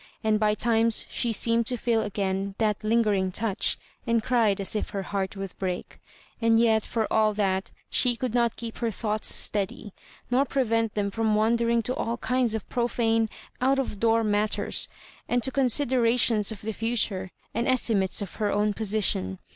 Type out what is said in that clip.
And by times she seemed to feel again that lingering touch, and cried aa if her heart would break : and yet, for all that, she could not keep her thoughts steady, nor prevent them from wandering to all kinds of profane, out of door matters, and to considerations of the future, and estimates of her own position.